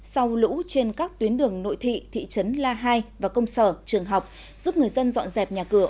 sau lũ trên các tuyến đường nội thị thị trấn la hai và công sở trường học giúp người dân dọn dẹp nhà cửa